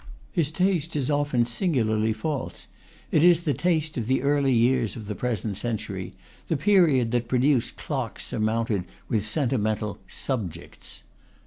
His taste is often singularly false; it is the taste of the early years of the present century, the period that produced clocks surmounted with sentimental "sub jects."